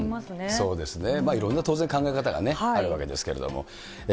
そうですね、いろんな当然、考え方があるわけですけれども。